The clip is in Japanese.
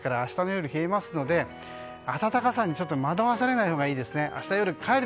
なので明日の夜、冷えますので暖かさに惑わされないほうがいいですね。